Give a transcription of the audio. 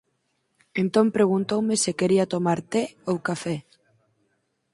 Entón preguntoume se quería tomar té ou café.